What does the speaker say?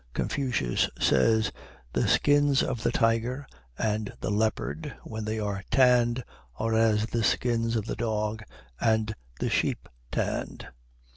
Confucius says, "The skins of the tiger and the leopard, when they are tanned, are as the skins of the dog and the sheep tanned."